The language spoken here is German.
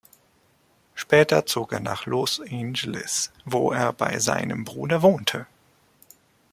Später zog er nach Los Angeles, wo er bei seinem Bruder wohnte.